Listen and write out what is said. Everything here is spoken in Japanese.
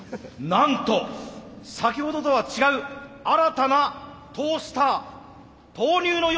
なんと先ほどとは違う新たなトースター投入のようです！